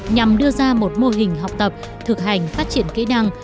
nhằm đưa ra một mô hình học tập thực hành phát triển kỹ năng